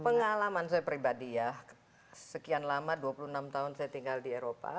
pengalaman saya pribadi ya sekian lama dua puluh enam tahun saya tinggal di eropa